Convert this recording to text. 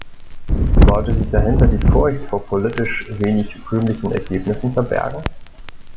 Sollte sich dahinter die Furcht vor politisch wenig rühmlichen Ergebnissen verbergen?